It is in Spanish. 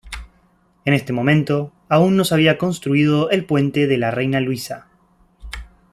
En este momento, aún no se había construido el Puente de la Reina Luisa.